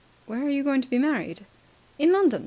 "Where are you going to be married?" "In London.